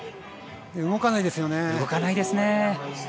動かないですよね。